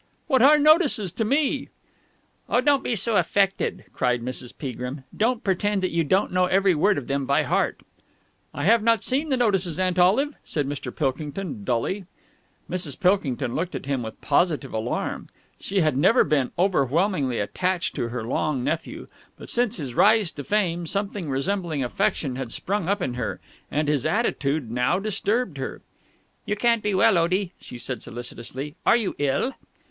What are notices to me?" "Oh, don't be so affected!" cried Mrs. Peagrim. "Don't pretend that you don't know every word of them by heart!" "I have not seen the notices, Aunt Olive," said Mr. Pilkington dully. Mrs. Peagrim looked at him with positive alarm. She had never been overwhelmingly attached to her long nephew, but since his rise to fame something resembling affection had sprung up in her, and his attitude now disturbed her. "You can't be well, Otie!" she said solicitously. "Are you ill?"